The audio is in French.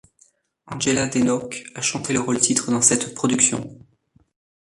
Angela Denoke a chanté le rôle-titre dans cette production.